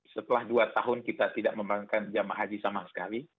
setelah dua tahun kita tidak memerankan jamaah haji sama sekali